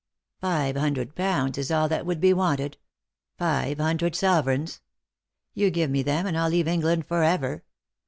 Five hundred pounds is all that would be wanted — five hundred sovereigns. You give me them and I'll leave England for ever.